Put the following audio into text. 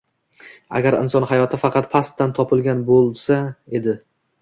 Agar inson hayoti faqat pastdan topilgan bo'lsa tdi.